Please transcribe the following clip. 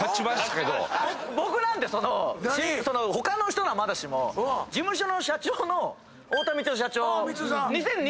僕なんて他の人のはまだしも事務所の社長の太田光代社長。